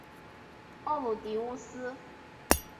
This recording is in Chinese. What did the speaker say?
奥卢狄乌斯。